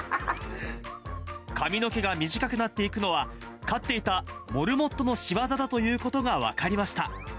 髪の毛が短くなっていくのは、飼っていたモルモットの仕業だということが分かりました。